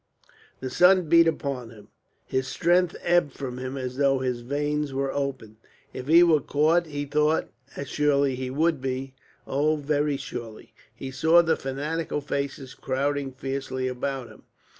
The sun beat upon him; his strength ebbed from him as though his veins were opened. If he were caught, he thought, as surely he would be oh, very surely! He saw the fanatical faces crowding fiercely about him